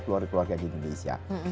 keluarga keluarga di indonesia